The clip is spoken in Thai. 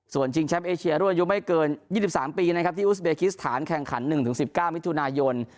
ส่วนชิงแชมป์เอเชียรุ่นอายุไม่เกิน๒๓ปีนะครับที่อุสเบคิสถานแข่งขัน๑๑๙มิถุนายน